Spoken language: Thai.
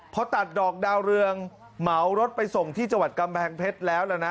พอตัดดอกดาวเรืองเหมารถไปส่งที่จังหวัดกำแพงเพชรแล้วแล้วนะ